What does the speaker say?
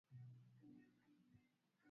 kipindi chote cha maiaka kumi na moja ya